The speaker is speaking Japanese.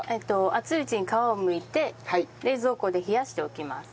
熱いうちに皮をむいて冷蔵庫で冷やしておきます。